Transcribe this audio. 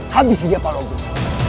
habisi dia pak wabun